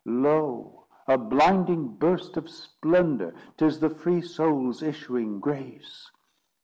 Lo, a blinding burst of splendour!— 'Tis the free soul's issuing grace.